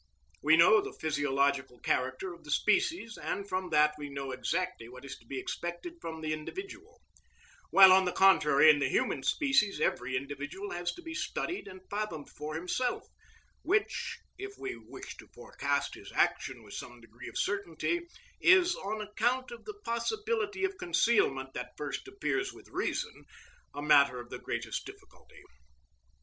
We know the physiological character of the species, and from that we know exactly what is to be expected from the individual; while, on the contrary, in the human species every individual has to be studied and fathomed for himself, which, if we wish to forecast his action with some degree of certainty, is, on account of the possibility of concealment that first appears with reason, a matter of the greatest difficulty.